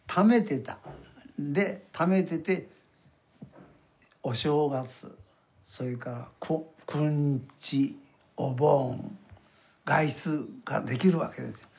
でためててお正月それからくんちお盆外出ができるわけですよ。